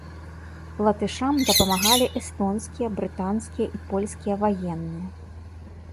Латышам дапамагалі эстонскія, брытанскія і польскія ваенныя.